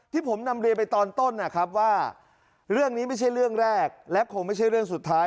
ที่ผมนำเรียนไปตอนต้นนะครับว่าเรื่องนี้ไม่ใช่เรื่องแรกและคงไม่ใช่เรื่องสุดท้าย